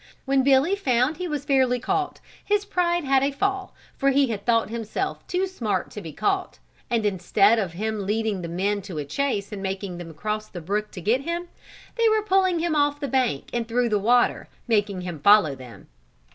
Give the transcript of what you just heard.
When Billy found he was fairly caught, his pride had a fall, for he had thought himself too smart to be caught, and instead of him leading the men a chase and making them cross the brook to get him, they were pulling him off the bank and through the water, making him follow them.